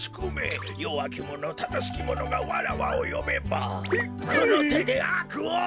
よわきものただしきものがわらわをよべばこのてであくを！